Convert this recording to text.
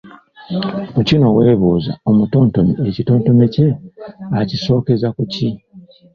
Mu kino weebuuza omutontomi ekitontome kye akisookeza ku ki?